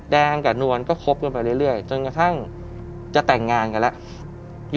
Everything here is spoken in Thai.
แดงกับนวลก็คบกันไปเรื่อยจนกระทั่งจะแต่งงานกันแล้ว